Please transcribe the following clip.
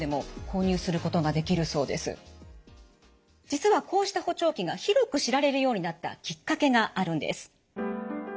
実はこうした補聴器が広く知られるようになったきっかけがあるんです。